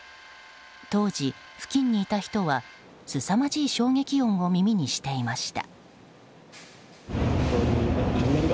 当時、付近にいた人はすさまじい衝撃音を耳にしていました。